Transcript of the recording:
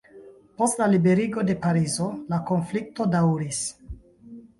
Post la liberigo de Parizo, la konflikto daŭris.